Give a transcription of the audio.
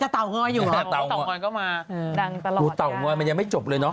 อ๋อต่างน้อยก็มาดังตลอดจ้ะต่างน้อยมันยังไม่จบเลยเนาะ